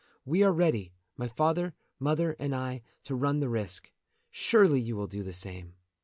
We are ready, my father, mother, and I, to run the risk; surely you will do the same."